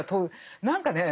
何かね